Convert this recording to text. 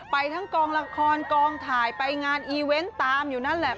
ไปทั้งกองละครกองถ่ายไปงานอีเวนต์ตามอยู่นั่นแหละ